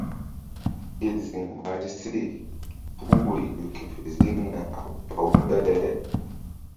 Ke ziŋ ɓahri se puh woyri ƴo ke fe ziŋna a baw dale.